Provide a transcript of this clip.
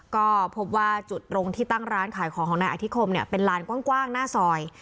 ก็พบว่าจุดตรงที่ตั้งร้านขายของของนายอธิคมเนี่ยเป็นลานกว้างหน้าซอย